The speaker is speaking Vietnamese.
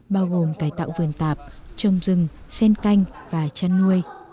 bao gồm cài tạo vườn tạp trông rừng sen canh và chăn nuôi